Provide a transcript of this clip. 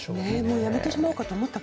やめてしまおうかと思ったって。